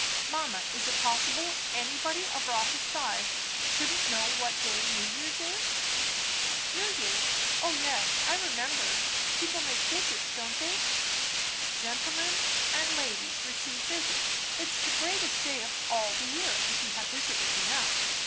Mamma, is it possible anybody of Rotha's size shouldn't know what day New Year's is?" "New Year's! O yes, I remember; people make visits, don't they?" "Gentlemen; and ladies receive visits. It is the greatest day of all the year, if you have visitors enough.